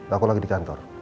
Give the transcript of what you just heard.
aku lagi di kantor